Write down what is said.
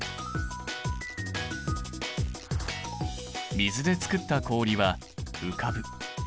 水で作った氷は浮かぶ。